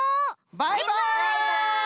バイバイ！